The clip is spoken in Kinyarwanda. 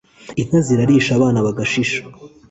Inka zirarisha abana bagashisha